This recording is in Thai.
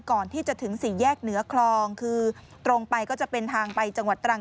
ก่อนที่จะถึงสี่แยกเหนือคลองคือตรงไปก็จะเป็นทางไปจังหวัดตรัง